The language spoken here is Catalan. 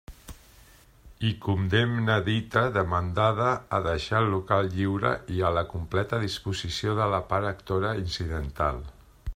I condemne dita demandada a deixar el local lliure i a la completa disposició de la part actora incidental.